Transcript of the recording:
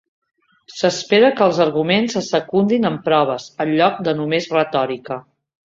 S'espera que els arguments se secundin amb proves, en lloc de només retòrica.